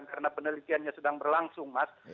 karena penelitiannya sedang berlangsung mas